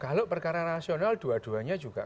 kalau perkara rasional dua duanya juga